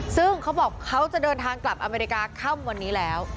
ซึ่งเขาบอกเขาจะเดินทางกลับอเมริกาค่ำวันนี้แล้ว